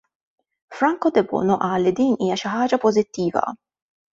Franco Debono qal li din hija xi ħaġa pożittiva.